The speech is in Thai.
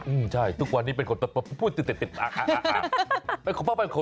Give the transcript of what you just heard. อืมใช่ทุกวันนี้เป็นขวบอ่าง